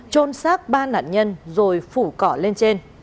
trôn xác ba nạn nhân rồi phủ cỏ lên trên